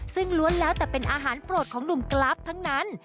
ซึ่งล้วนแล้วแต่เป็นอาหารโปรดของหนุ่มกราฟทั้งนั้น